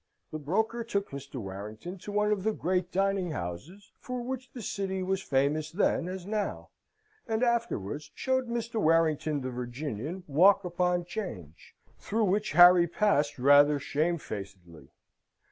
The broker took Mr. Warrington to one of the great dining houses for which the City was famous then as now; and afterwards showed Mr. Warrington the Virginian walk upon 'Change, through which Harry passed rather shamefacedly.